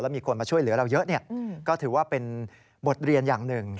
มีคนมาช่วยเหลือเราเยอะก็ถือว่าเป็นบทเรียนอย่างหนึ่ง